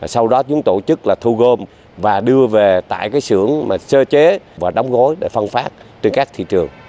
sau đó chúng tổ chức thu gom và đưa về tại sưởng sơ chế và đóng gối để phân phát trên các thị trường